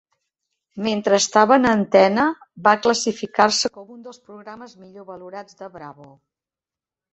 Mentre estava en antena, va classificar-se com un dels programes millor valorats de Bravo.